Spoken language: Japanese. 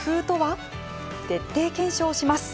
徹底検証します。